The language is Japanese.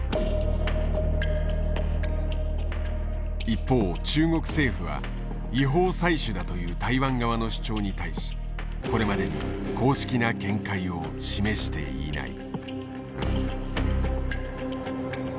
一方中国政府は違法採取だという台湾側の主張に対しこれまでに公式な見解を示していない。